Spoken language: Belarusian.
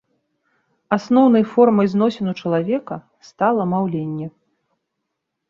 Асноўнай формай зносін у чалавека стала маўленне.